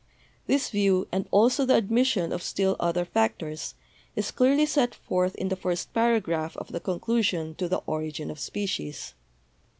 This view, and also the admission of still other factors, is clearly set forth in the first paragraph of the conclusion to the 'Origin of Species.'